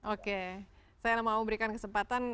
oke saya mau berikan kesempatan